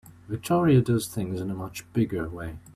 Victoria does things in a much bigger way.